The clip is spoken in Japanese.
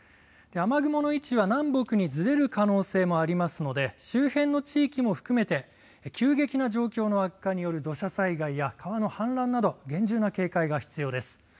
雨雲の位置は南北にずれる可能性もありますので周辺の地域も含めて急激な状況の悪化による土砂災害や川の氾濫など厳重な警戒が必要です。